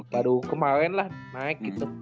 baru kemarin lah naik gitu